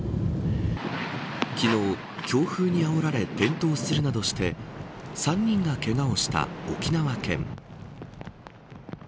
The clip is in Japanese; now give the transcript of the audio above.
昨日、強風にあおられ転倒するなどして３人がけがをした、沖縄県。